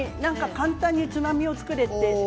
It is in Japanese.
簡単につまみを作れと言われて。